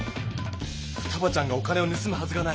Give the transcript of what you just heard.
ふたばちゃんがお金をぬすむはずがない。